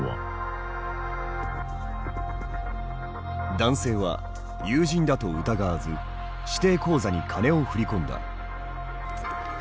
男性は友人だと疑わず指定口座に金を振り込んだ。